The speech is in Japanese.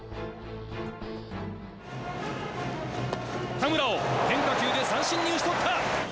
田村を変化球で三振に打ち取った。